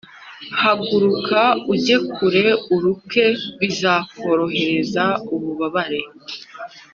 haguruka, ujye kure uruke, bizakorohereza ububabare.